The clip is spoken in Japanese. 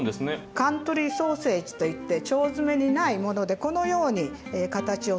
カントリーソーセージといって腸詰めにないものでこのように形をつける。